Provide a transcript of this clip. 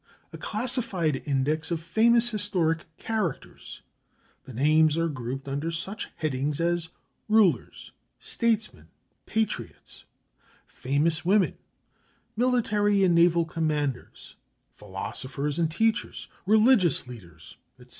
A classified index of famous historic characters. The names are grouped under such headings as "Rulers, Statesmen, and Patriots," "Famous Women," "Military and Naval Commanders," "Philosophers and Teachers," "Religious Leaders," etc.